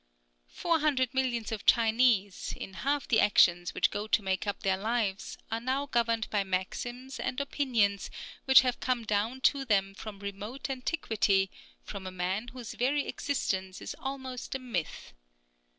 Four hundred millions of Chinese, in half the actions which go to make up their lives, are now governed by maxims and opinions which have come down to them from remote antiquity, from a man whose very existence is almost a myth.